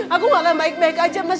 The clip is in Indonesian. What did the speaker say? aku gak akan baik baik aja mas